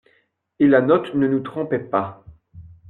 Et la note ne nous trompait pas.